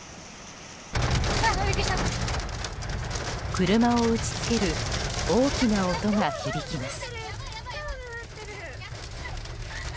車を打ち付ける大きな音が響きます。